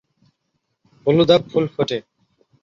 হলুদাভ ফুল ফোটে।